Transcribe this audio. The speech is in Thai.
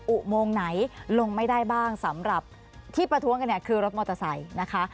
อุโมงไหนลงไม่ได้บ้างสำหรับที่ประท้วงกันเนี่ยคือรถมอเตอร์ไซค์นะคะ